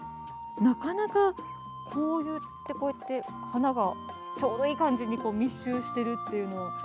なかなかこうやって花が、ちょうどいい感じに密集しているっていうのは。